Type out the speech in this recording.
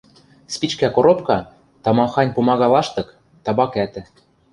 Спичкӓ коробка, тамахань пумага лаштык, табак ӓтӹ...